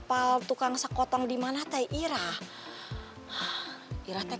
aduh dimana hati hati